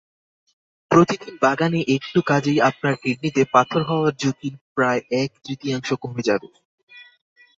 প্রতিদিন বাগানে একটু কাজেই আপনার কিডনিতে পাথর হওয়ার ঝুঁকি প্রায় এক-তৃতীয়াংশ কমে যাবে।